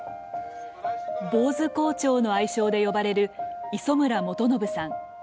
ぼうず校長の愛称で呼ばれる磯村元信さん。